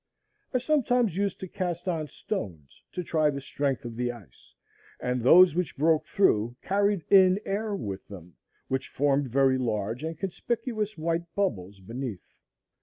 I sometimes used to cast on stones to try the strength of the ice, and those which broke through carried in air with them, which formed very large and conspicuous white bubbles beneath.